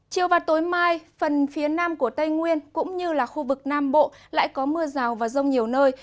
chiều và tối mai phần phía nam của tây nguyên cũng như là khu vực nam bộ lại có mưa rào và rông nhiều nơi